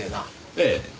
ええ。